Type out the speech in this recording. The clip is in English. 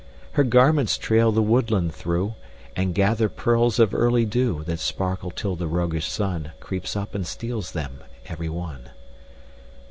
Her garments trail the woodland through, And gather pearls of early dew That sparkle till the roguish Sun Creeps up and steals them every one.